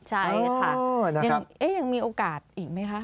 ใช่ค่ะยังมีโอกาสอีกไหมคะ